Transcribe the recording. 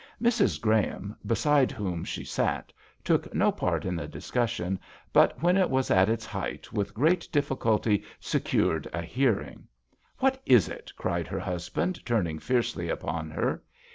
Mrs. Graham, beside whom she sat, took no part in the dis cussion, but when it was at its height with great difficulty secured a hearing. THE VIOLIN OBBLIGATO. 7 1 " What is it ?" cried her hus band, turning fiercely upon her.